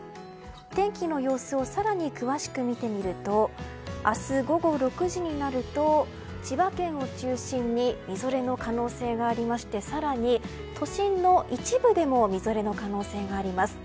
天気の様子を更に詳しく見てみると明日、午後６時になると千葉県を中心にみぞれの可能性がありまして更に、都心の一部でもみぞれの可能性があります。